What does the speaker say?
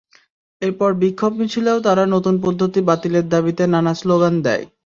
এরপর বিক্ষোভ মিছিলেও তারা নতুন পদ্ধতি বাতিলের দাবিতে নানা স্লোগান দেয়।